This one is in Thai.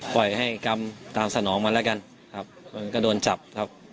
ปล่อยให้กรรมตามสนองมันแล้วกันครับมันก็โดนจับครับ